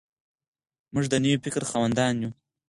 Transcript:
موږ د نوي فکر خاوندان یو.